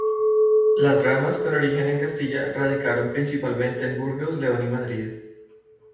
Las ramas con origen en Castilla, radicaron principalmente en Burgos, León y Madrid.